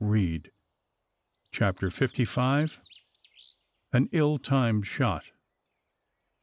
CHAPTER FIFTY FIVE. AN ILL TIMED SHOT.